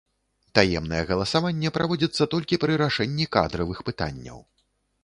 Таемнае галасаванне праводзіцца толькі пры рашэнні кадравых пытанняў.